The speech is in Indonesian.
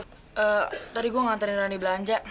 eh tadi gue nganterin randy belanja